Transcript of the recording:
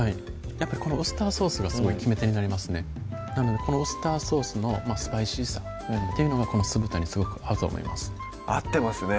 やっぱりこのウスターソースがすごい決め手になりますねなのでこのウスターソースのスパイシーさっていうのがこの酢豚にすごく合うと思います合ってますね